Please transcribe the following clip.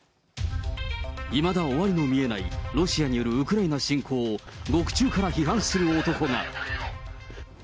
いまだ終わりの見えない、ロシアによるウクライナ侵攻を獄中から批判する男が。